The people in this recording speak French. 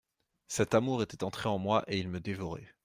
«Cet amour était entré en moi et il me dévorait.